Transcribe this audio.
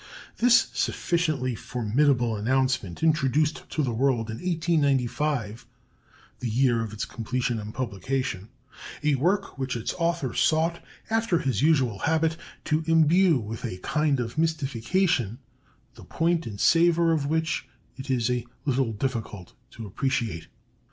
This sufficiently formidable announcement introduced to the world in 1895 (the year of its completion and publication) a work which its author sought, after his usual habit, to imbue with a kind of mystification the point and savor of which it is a little difficult to appreciate.